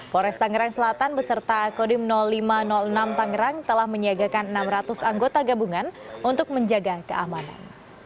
polres tangerang selatan beserta kodim lima ratus enam tangerang telah menyiagakan enam ratus anggota gabungan untuk menjaga keamanan